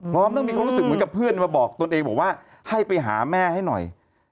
เพราะอย่างนั้นก็คุสึกเหมือนกับเพื่อนมาบอกตนเองบอกว่าให้ไปหาแม่ให้หน่อย